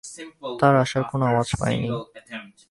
তার আসার কোন আওয়াজ পাইনি।